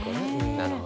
なるほどな。